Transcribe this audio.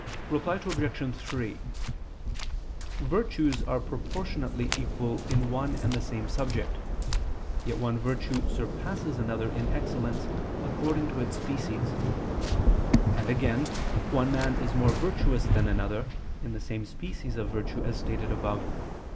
Reply Obj. 3: Virtues are proportionately equal in one and the same subject: yet one virtue surpasses another in excellence according to its species; and again, one man is more virtuous than another, in the same species of virtue, as stated above (Q.